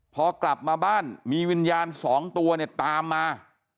พอกลับมาบ้านมีวิญญาณสองตัวเนี่ยตามมา